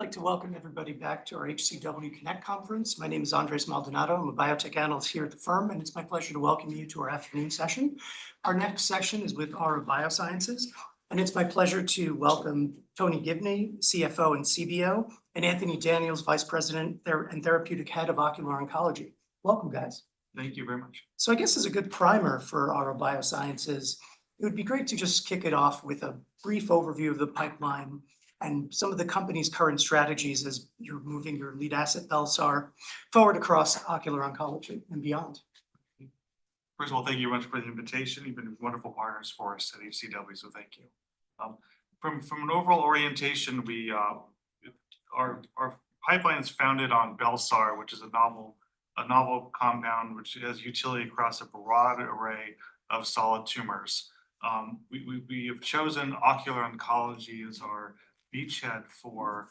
I'd like to welcome everybody back to our H.C. Wainwright Connect Conference. My name is Andres Maldonado. I'm a Biotech Analyst here at the firm, and it's my pleasure to welcome you to our afternoon session. Our next session is with Aura Biosciences, and it's my pleasure to welcome Tony Gibney, Chief Financial Officer and Chief Business Officer, and Anthony Daniels, Vice President, Therapeutic Area Head Ocular Oncology. Welcome, guys. Thank you very much. I guess as a good primer for Aura Biosciences, it would be great to just kick it off with a brief overview of the pipeline and some of the company's current strategies as you're moving your lead asset, bel-sar, forward across ocular oncology and beyond. First of all, thank you very much for the invitation. You've been wonderful partners for us at HCW, thank you. From an overall orientation, our pipeline's founded on bel-sar, which is a novel compound which has utility across a broad array of solid tumors. We have chosen ocular oncology as our beachhead for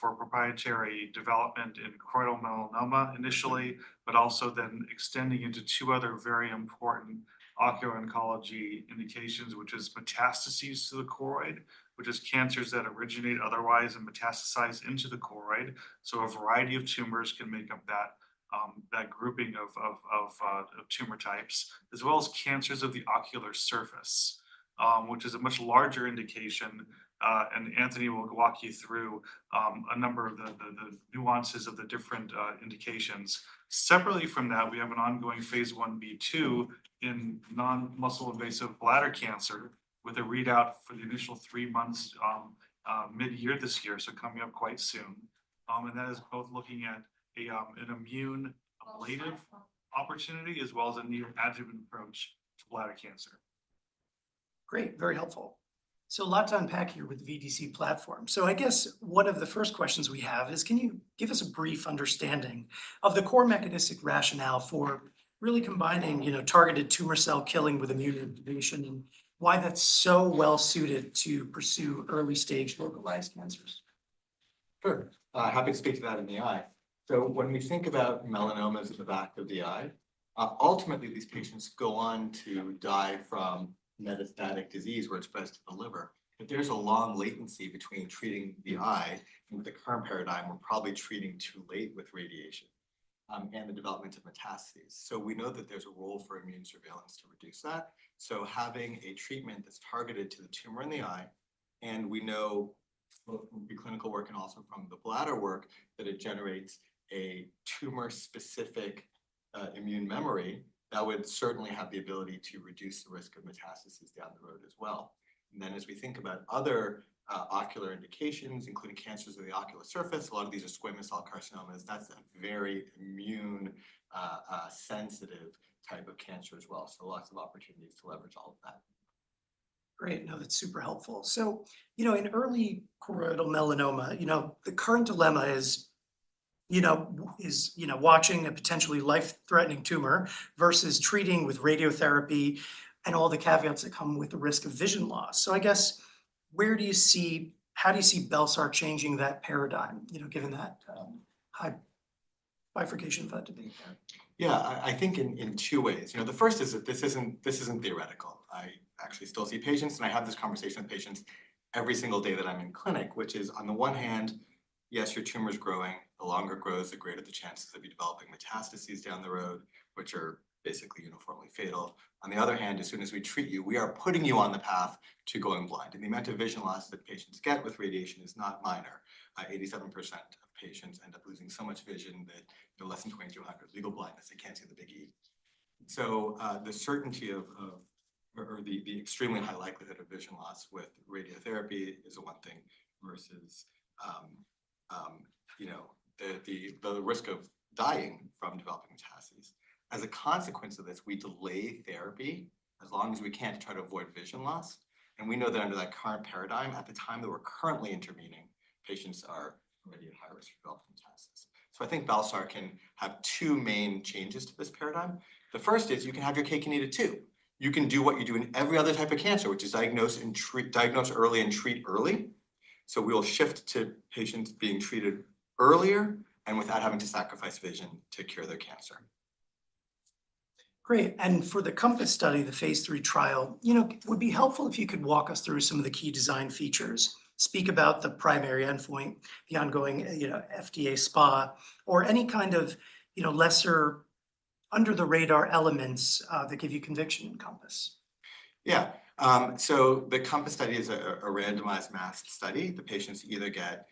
proprietary development in choroidal melanoma initially, also then extending into two other very important ocular oncology indications, which is metastases to the choroid, which is cancers that originate otherwise and metastasize into the choroid. A variety of tumors can make up that grouping of, of tumor types, as well as cancers of the ocular surface, which is a much larger indication, and Anthony will walk you through a number of the, the nuances of the different indications. Separately from that, we have an ongoing phase I-B/II in non-muscle invasive bladder cancer with a readout for the initial three months, mid-year this year, so coming up quite soon. And that is both looking at a an immune ablative opportunity as well as a neoadjuvant approach to bladder cancer. Great, very helpful. A lot to unpack here with VDC platform. I guess one of the first questions we have is can you give us a brief understanding of the core mechanistic rationale for really combining, you know, targeted tumor cell killing with immune inhibition, and why that's so well-suited to pursue early-stage localized cancers? Sure. happy to speak to that in the eye. When we think about melanomas at the back of the eye, ultimately these patients go on to die from metastatic disease where it spreads to the liver. There's a long latency between treating the eye, and with the current paradigm, we're probably treating too late with radiation, and the development of metastases. We know that there's a role for immune surveillance to reduce that. Having a treatment that's targeted to the tumor in the eye, and we know both from the clinical work and also from the bladder work, that it generates a tumor-specific immune memory that would certainly have the ability to reduce the risk of metastases down the road as well. As we think about other ocular indications, including cancers of the ocular surface, a lot of these are squamous cell carcinoma. That's a very immune sensitive type of cancer as well. Lots of opportunities to leverage all of that. Great. No, that's super helpful. You know, in early choroidal melanoma, you know, the current dilemma is, you know, watching a potentially life-threatening tumor versus treating with radiotherapy and all the caveats that come with the risk of vision loss. I guess, how do you see bel-sar changing that paradigm, you know, given that high bifurcation thought to beat there? I think in two ways. You know, the first is that this isn't theoretical. I actually still see patients, and I have this conversation with patients every single day that I'm in clinic, which is on the one hand, yes, your tumor's growing. The longer it grows, the greater the chances of you developing metastases down the road, which are basically uniformly fatal. On the other hand, as soon as we treat you, we are putting you on the path to going blind, and the amount of vision loss that patients get with radiation is not minor. 87% of patients end up losing so much vision that they're less than 20/200 legal blindness. They can't see the big E. The certainty of the extremely high likelihood of vision loss with radiotherapy is the one thing versus, you know, the risk of dying from developing metastases. As a consequence of this, we delay therapy as long as we can to try to avoid vision loss, and we know that under that current paradigm, at the time that we're currently intervening, patients are already at high risk for developing metastases. I think bel-sar can have two main changes to this paradigm. The first is you can have your cake and eat it too. You can do what you do in every other type of cancer, which is diagnose early and treat early. We'll shift to patients being treated earlier and without having to sacrifice vision to cure their cancer. Great. For the CoMpass study, the phase III trial, you know, it would be helpful if you could walk us through some of the key design features, speak about the primary endpoint, the ongoing, you know, FDA SPA, or any kind of, you know, lesser under-the-radar elements that give you conviction in CoMpass. Yeah. The CoMpass study is a randomized masked study. The patients either get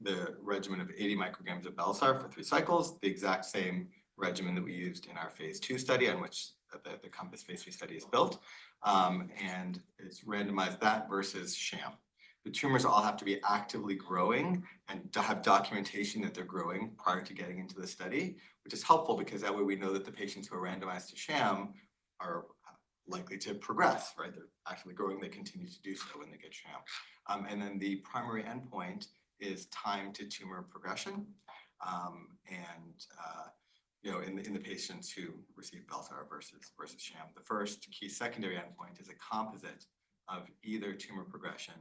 the regimen of 80 micrograms of bel-sar for three cycles, the exact same regimen that we used in our phase II study on which the CoMpass phase III study is built, and it's randomized that versus sham. The tumors all have to be actively growing and to have documentation that they're growing prior to getting into the study, which is helpful because that way we know that the patients who are randomized to sham are likely to progress, right? They're actively growing. They continue to do so when they get sham. Then the primary endpoint is time to tumor progression. You know, in the patients who receive bel-sar versus sham. The first key secondary endpoint is a composite of either tumor progression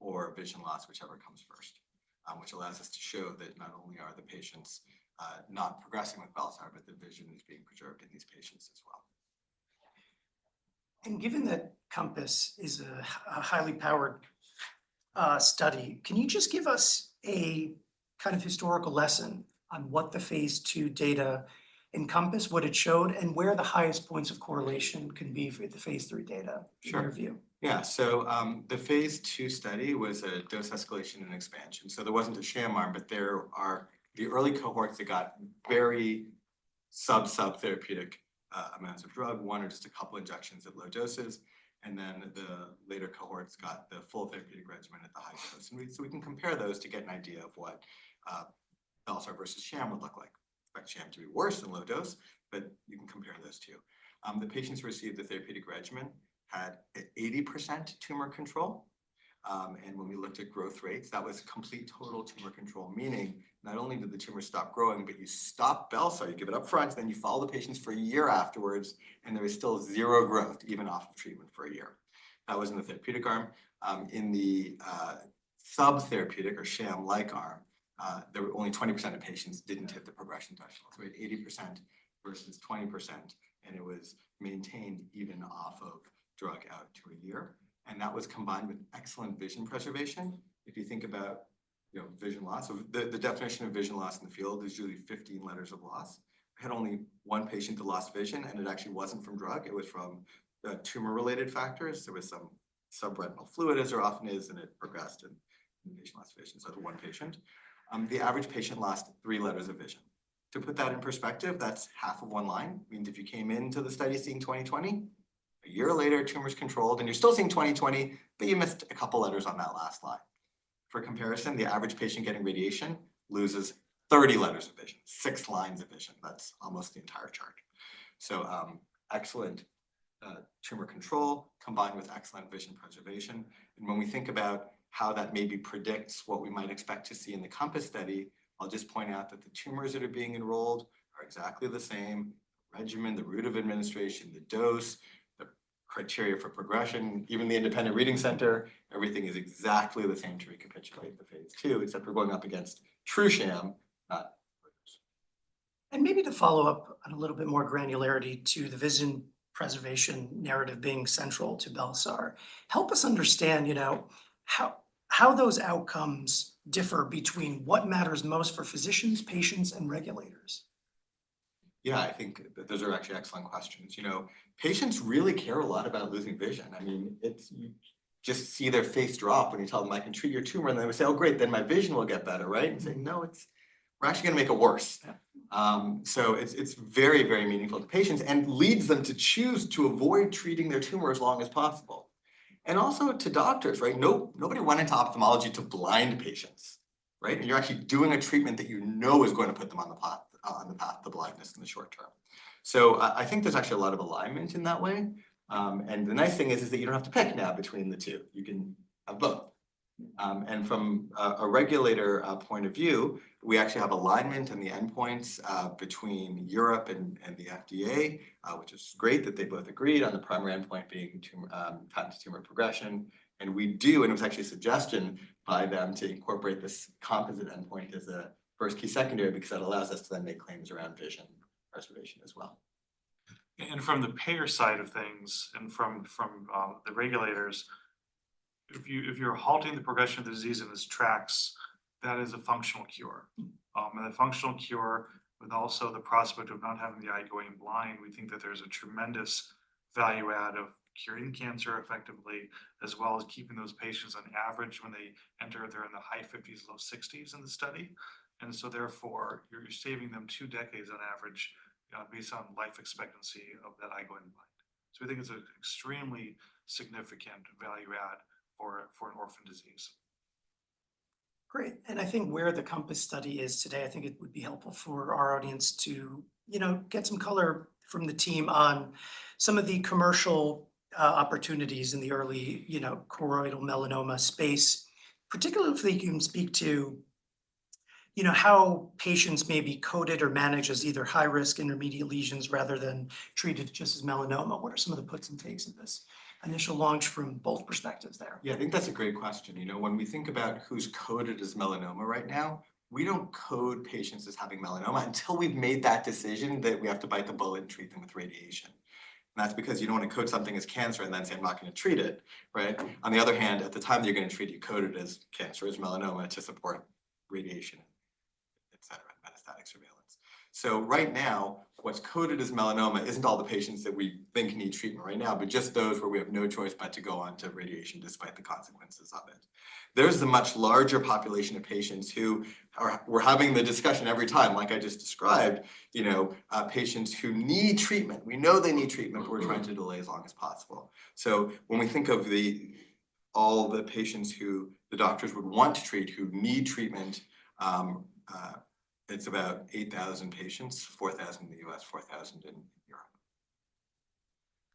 or vision loss, whichever comes first, which allows us to show that not only are the patients not progressing with bel-sar, but their vision is being preserved in these patients as well. Given that CoMpass is a highly powered study, can you just give us a kind of historical lesson on what the phase II data encompassed, what it showed, and where the highest points of correlation can be for the phase III data? Sure In your view? Yeah. The phase II study was a dose escalation and expansion. There wasn't a sham arm, but there are the early cohorts that got very sub-sub-therapeutic amounts of drug, one or just a couple injections at low doses, and then the later cohorts got the full therapeutic regimen at the high dose. We can compare those to get an idea of what bel-sar versus sham would look like. Expect sham to be worse than low dose, you can compare those two. The patients who received the therapeutic regimen had 80% tumor control. When we looked at growth rates, that was complete total tumor control, meaning not only did the tumor stop growing, but you stop bel-sar, you give it up front, then you follow the patients for one-year afterwards, and there is still zero growth even off of treatment for one-year. That was in the therapeutic arm. In the sub-therapeutic or sham-like arm, there were only 20% of patients didn't hit the progression threshold. We had 80% versus 20%, and it was maintained even off of drug out to one-year. That was combined with excellent vision preservation. If you think about, you know, vision loss, the definition of vision loss in the field is usually 15 letters of loss. Had only one patient that lost vision, and it actually wasn't from drug. It was from tumor-related factors. There was some subretinal fluid, as there often is, and it progressed in vision loss. That's one patient. The average patient lost three letters of vision. To put that in perspective, that's half of one line. Meaning if you came into the study seeing 20/20, a year later, tumor's controlled, and you're still seeing 20/20, but you missed a couple letters on that last line. For comparison, the average patient getting radiation loses 30 letters of vision, six lines of vision. That's almost the entire chart. Excellent tumor control combined with excellent vision preservation. When we think about how that maybe predicts what we might expect to see in the CoMpass study, I'll just point out that the tumors that are being enrolled are exactly the same regimen, the route of administration, the dose, the criteria for progression, even the independent reading center. Everything is exactly the same to recapitulate the phase II, except we're going up against true sham. Maybe to follow up on a little bit more granularity to the vision preservation narrative being central to bel-sar, help us understand, you know, how those outcomes differ between what matters most for physicians, patients, and regulators? Yeah, I think those are actually excellent questions. You know, patients really care a lot about losing vision. I mean, You just see their face drop when you tell them, "I can treat your tumor." They would say, "Oh, great, then my vision will get better," right? Say, "No, we're actually gonna make it worse." It's, it's very, very meaningful to patients and leads them to choose to avoid treating their tumor as long as possible. Also to doctors, right? Nobody went into ophthalmology to blind patients, right? You're actually doing a treatment that you know is gonna put them on the path, on the path to blindness in the short term. I think there's actually a lot of alignment in that way. The nice thing is that you don't have to pick now between the two. You can have both. From a regulator point of view, we actually have alignment on the endpoints between Europe and the FDA, which is great that they both agreed on the primary endpoint being tumor time to tumor progression. We do, and it was actually a suggestion by them to incorporate this composite endpoint as a first-key secondary, because that allows us to then make claims around vision preservation as well. From the payer side of things and from the regulators, if you're halting the progression of the disease in its tracks, that is a functional cure. A functional cure with also the prospect of not having the eye going blind, we think that there's a tremendous value add of curing cancer effectively, as well as keeping those patients on average when they enter, they're in the high 50s, low 60s in the study. Therefore, you're saving them two decades on average, based on life expectancy of that eye going blind. We think it's an extremely significant value add for an orphan disease. Great. I think where the CoMpass study is today, I think it would be helpful for our audience to, you know, get some color from the team on some of the commercial opportunities in the early, you know, choroidal melanoma space, particularly if you can speak to, you know, how patients may be coded or managed as either high risk intermediate lesions rather than treated just as melanoma. What are some of the puts and takes of this initial launch from both perspectives there? Yeah, I think that's a great question. You know, when we think about who's coded as melanoma right now, we don't code patients as having melanoma until we've made that decision that we have to bite the bullet and treat them with radiation. That's because you don't want to code something as cancer and then say, "I'm not gonna treat it," right? On the other hand, at the time that you're gonna treat, you code it as cancer, as melanoma to support radiation, et cetera, metastatic surveillance. Right now, what's coded as melanoma isn't all the patients that we think need treatment right now, but just those where we have no choice but to go on to radiation despite the consequences of it. There's the much larger population of patients who we're having the discussion every time, like I just described, you know, patients who need treatment. We know they need treatment, but we're trying to delay as long as possible. When we think of the, all the patients who the doctors would want to treat who need treatment, it's about 8,000 patients, 4,000 in the U.S., 4,000 in Europe.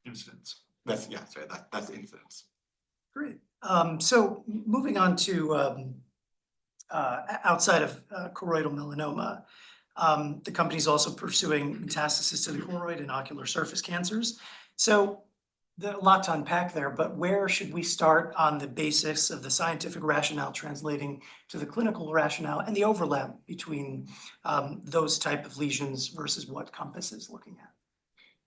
Incidence. Yeah, sorry. That's incidence. Great. Moving on to outside of choroidal melanoma, the company's also pursuing metastasis to the choroid and ocular surface cancers. There are a lot to unpack there, but where should we start on the basis of the scientific rationale translating to the clinical rationale and the overlap between those type of lesions versus what CoMpass is looking at?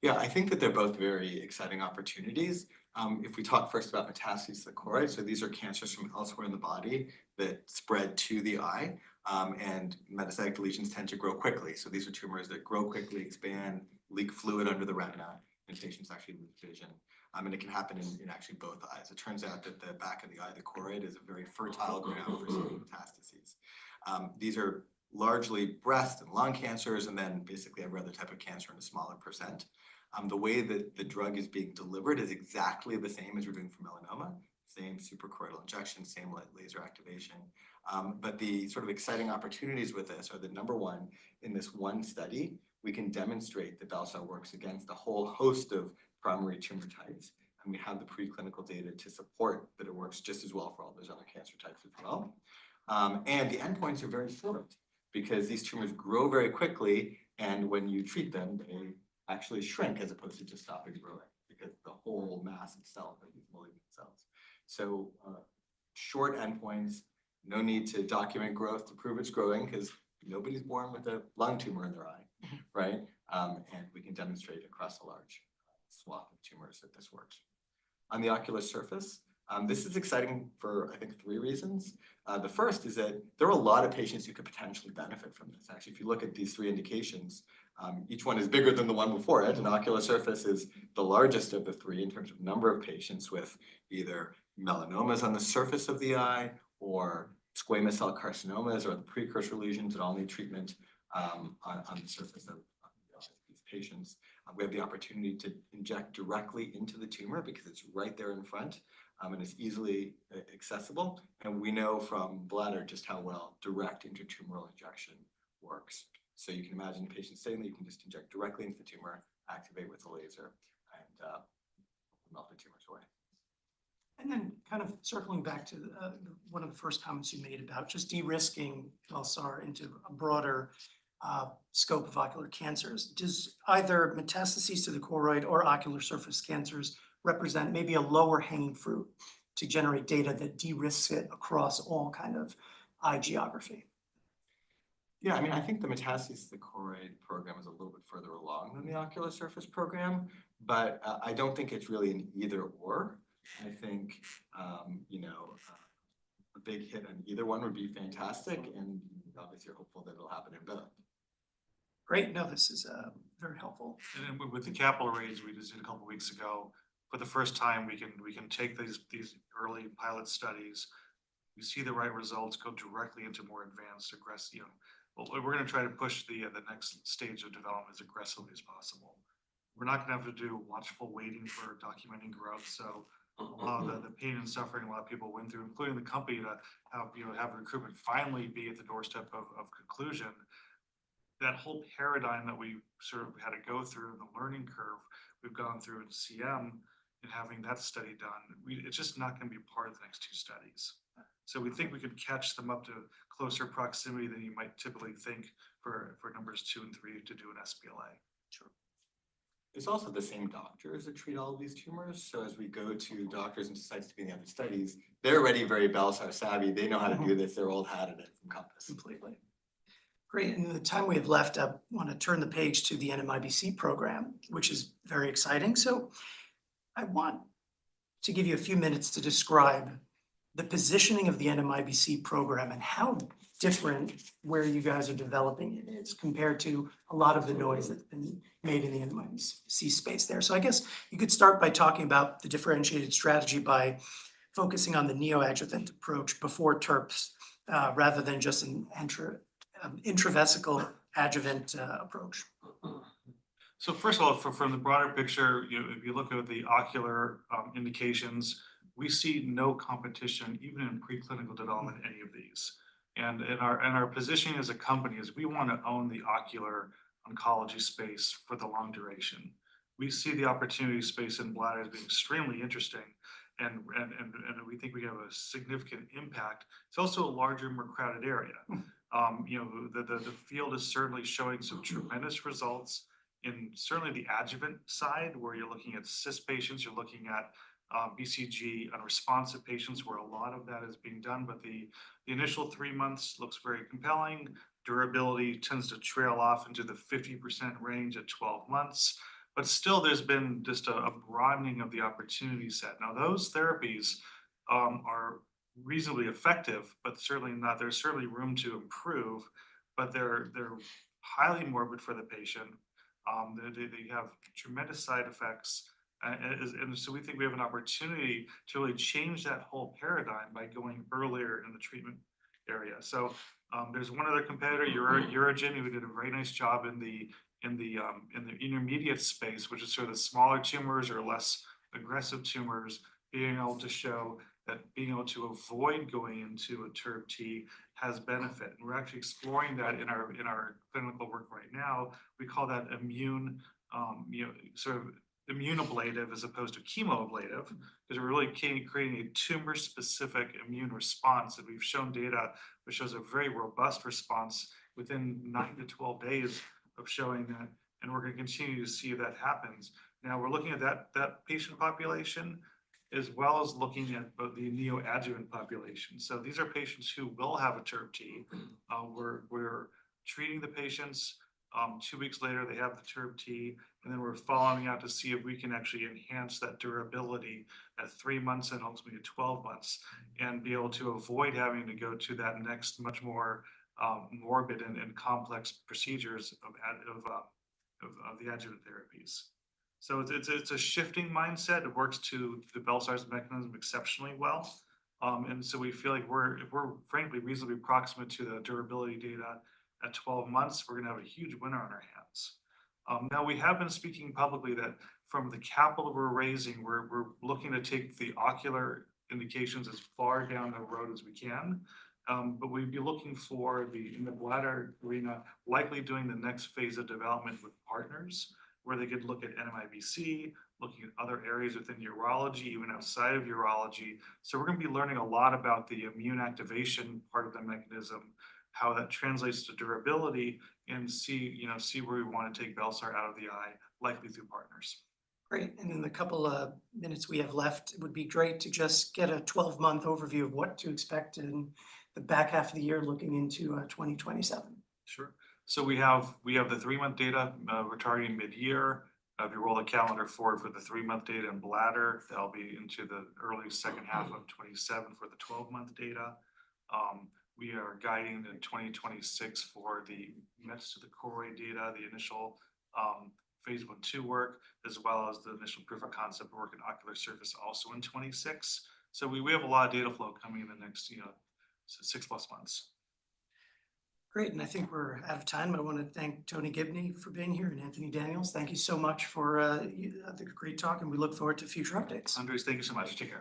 Yeah, I think that they're both very exciting opportunities. If we talk first about metastases to the choroid, these are cancers from elsewhere in the body that spread to the eye, metastatic lesions tend to grow quickly. These are tumors that grow quickly, expand, leak fluid under the retina, patients actually lose vision. It can happen in actually both eyes. It turns out that the back of the eye, the choroid, is a very fertile ground for seeding metastases. These are largely breast and lung cancers, then basically every other type of cancer in a smaller percent. The way that the drug is being delivered is exactly the same as we're doing for melanoma. Same suprachoroidal injection, same laser activation. The sort of exciting opportunities with this are that number one, in this one study, we can demonstrate that bel-sar works against a whole host of primary tumor types. We have the preclinical data to support that it works just as well for all those other cancer types as well. The endpoints are very short because these tumors grow very quickly, and when you treat them, they actually shrink as opposed to just stopping growing because the whole mass itself are these malignant cells. Short endpoints, no need to document growth to prove it's growing because nobody's born with a lung tumor in their eye, right? We can demonstrate across a large swath of tumors that this works. On the ocular surface, this is exciting for, I think, three reasons. The first is that there are a lot of patients who could potentially benefit from this. Actually, if you look at these three indications, each one is bigger than the one before it. Ocular surface is the largest of the three in terms of number of patients with either melanomas on the surface of the eye or squamous cell carcinoma or the precursor lesions that all need treatment, on the surface of these patients. We have the opportunity to inject directly into the tumor because it's right there in front, and it's easily accessible. We know from bladder just how well direct intratumoral injection works. You can imagine a patient saying that you can just inject directly into the tumor, activate with a laser, and melt the tumors away. Kind of circling back to one of the first comments you made about just de-risking bel-sar into a broader scope of ocular cancers. Does either metastases to the choroid or ocular surface cancers represent maybe a lower hanging fruit to generate data that de-risks it across all kind of eye geography? I mean, I think the metastases to the choroid program is a little bit further along than the ocular surface program. I don't think it's really an either/or. I think, you know, a big hit on either one would be fantastic, and obviously you're hopeful that it'll happen in both. Great. No, this is very helpful. With the capital raise we just did two weeks ago, for the first time, we can take these early pilot studies. We see the right results go directly into more advanced, aggressive. You know, we're gonna try to push the next stage of development as aggressively as possible. We're not gonna have to do watchful waiting for documenting growth. A lot of the pain and suffering a lot of people went through, including the company to have, you know, have recruitment finally be at the doorstep of conclusion. That whole paradigm that we sort of had to go through, the learning curve we've gone through into CM and having that study done, it's just not gonna be a part of the next two studies. We think we can catch them up to closer proximity than you might typically think for numbers two and three to do an sBLA. Sure. It's also the same doctors that treat all of these tumors. As we go to doctors and sites to be in the other studies, they're already very bel-sar savvy. They know how to do this. They're old hat at it from CoMpass. Completely. Great. In the time we have left, I want to turn the page to the NMIBC program, which is very exciting. I want to give you a few minutes to describe the positioning of the NMIBC program and how different where you guys are developing it is compared to a lot of the noise that's been made in the NMIBC space there. I guess you could start by talking about the differentiated strategy by focusing on the neoadjuvant approach before TURBT, rather than just an intravesical adjuvant approach. First of all, from the broader picture, you know, if you look at the ocular indications, we see no competition, even in preclinical development, any of these. In our positioning as a company is we wanna own the ocular oncology space for the long duration. We see the opportunity space in bladder as being extremely interesting and we think we have a significant impact. It's also a larger and more crowded area. You know, the field is certainly showing some tremendous results in certainly the adjuvant side, where you're looking at CIS patients, you're looking at BCG unresponsive patients, where a lot of that is being done. The initial three months looks very compelling. Durability tends to trail off into the 50% range at 12 months. Still there's been just a broadening of the opportunity set. Those therapies are reasonably effective, but certainly there's room to improve, but they're highly morbid for the patient. They have tremendous side effects. We think we have an opportunity to really change that whole paradigm by going earlier in the treatment area. There's one other competitor, UroGen, who did a very nice job in the intermediate space, which is sort of the smaller tumors or less aggressive tumors, being able to show that being able to avoid going into a TURBT has benefit. We're actually exploring that in our clinical work right now. We call that immune, you know, sort of immune ablative as opposed to chemoablative, is really creating a tumor-specific immune response that we've shown data, which shows a very robust response within 9-12 days of showing that, and we're gonna continue to see that happen. We're looking at that patient population as well as looking at the neoadjuvant population. These are patients who will have a TURBT. We're, we're treating the patients, two weeks later, they have the TURBT, and then we're following up to see if we can actually enhance that durability at three months and ultimately to 12 months and be able to avoid having to go to that next much more, morbid and complex procedures of the adjuvant therapies. It's, it's a shifting mindset. It works to the bel-sar mechanism exceptionally well. We feel like we're frankly reasonably proximate to the durability data. At 12 months, we're gonna have a huge winner on our hands. Now we have been speaking publicly that from the capital we're raising, we're looking to take the ocular indications as far down the road as we can. We'd be looking for the, in the bladder arena, likely doing the next phase of development with partners, where they could look at NMIBC, looking at other areas within urology, even outside of urology. We're gonna be learning a lot about the immune activation part of the mechanism, how that translates to durability, and see, you know, see where we wanna take bel-sar out of the eye, likely through partners. Great. In the couple of minutes we have left, it would be great to just get a 12 month overview of what to expect in the back half of the year looking into 2027. Sure. We have the three month data returning mid-year. If you roll the calendar forward for the three month data in bladder, that'll be into the early second half of 2027 for the 12 month data. We are guiding in 2026 for the next of the core data, the initial phase I work, as well as the initial proof of concept work in ocular surface also in 2026. We have a lot of data flow coming in the next, you know, six plus months. Great, and I think we're out of time, but I wanna thank Tony Gibney for being here, and Anthony Daniels, thank you so much for the great talk, and we look forward to future updates. Andres, thank you so much. Take care.